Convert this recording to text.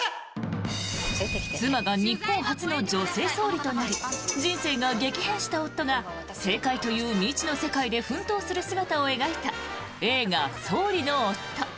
妻が日本初の女性総理となり人生が激変した夫が政界という未知の世界で奮闘する姿を描いた映画「総理の夫」。